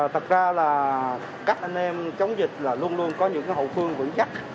thật ra là các anh em chống dịch là luôn luôn có những hậu phương vững chắc